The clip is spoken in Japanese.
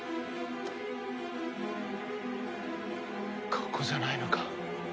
ここじゃないのか。